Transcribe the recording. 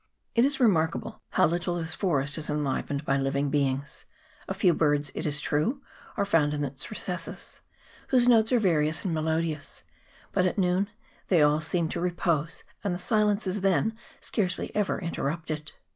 It is remarkable how little this forest is enliv ened by living beings : a few birds, it is true, are found in its recesses, whose notes are various and melodious ; but at noon they all seem to re pose, and the silence is then scarcely ever inter rupted.